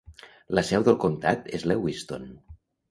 La seu del comtat és Lewiston.